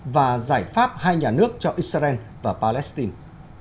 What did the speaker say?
và giải pháp hai nhà nước cho israel và palestine